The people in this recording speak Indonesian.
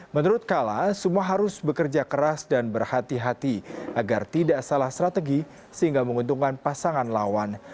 menurut kala semua harus bekerja keras dan berhati hati agar tidak salah strategi sehingga menguntungkan pasangan lawan